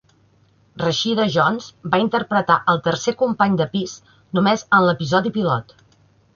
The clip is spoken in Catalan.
Rashida Jones va interpretar el tercer company de pis només en l'episodi pilot.